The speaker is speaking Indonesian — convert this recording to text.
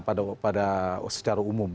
pada secara umum